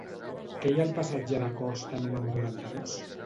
Què hi ha al passatge de Costa número noranta-dos?